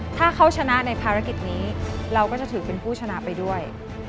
ถ้าเขาชนะในภารกิจนี้เราก็จะถือเป็นผู้ชนะไปด้วย